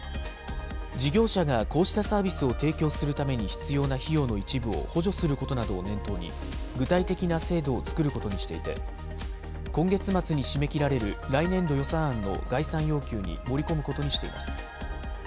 事業者がこうしたサービスを提供するために必要な費用の一部を補助することなどを念頭に、具体的な制度を作ることにしていて、今月末に締め切られる来年度予算案の概算要求に盛り込むことにしています。